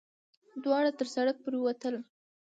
دواړه تر سړک پورې وتل.